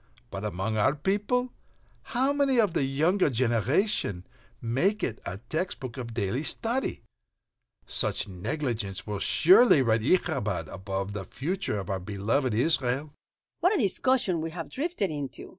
But among our people, how many of the younger generation make it a text book of daily study? Such negligence will surely write its 'Ichabod' upon the future of our beloved Israel." "What a discussion we have drifted into!"